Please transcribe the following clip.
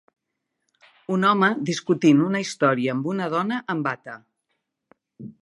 Un home discutint una història amb una dona en bata.